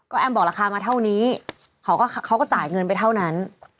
แอมบอกราคามาเท่านี้เขาก็เขาก็จ่ายเงินไปเท่านั้น